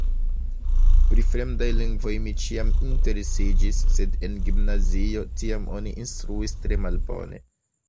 Pri fremdaj lingvoj mi ĉiam interesiĝis, sed en gimnazio tiam oni instruis tre malbone.